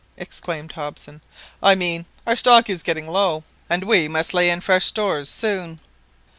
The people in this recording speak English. exclaimed Hobson. "I mean our stock is getting low, and we must lay in fresh stores soon.